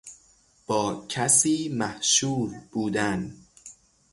با کسی محشور بودن